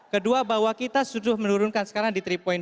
kedua bahwa kita sudah menurunkan sekarang di tiga